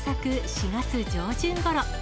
４月上旬ごろ。